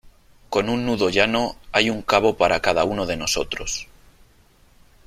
con un nudo llano . hay un cabo para cada uno de nosotros ,